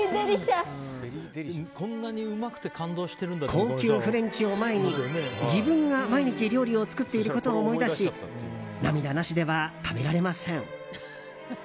高級フレンチを前に自分が毎日、料理を作っていることを思い出し涙なしでは食べられません。